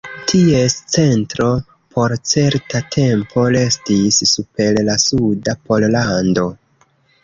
Ties centro por certa tempo restis super la suda Pollando.